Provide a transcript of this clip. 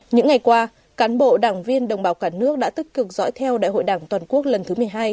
những ngày qua cán bộ đảng viên đồng bào cả nước đã tích cực dõi theo đại hội đảng toàn quốc lần thứ một mươi hai